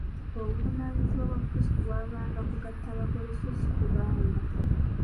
Obuvunaanyibwa bw’Abakrisitu kw’abanga kugatta bagole sso si kubaawula.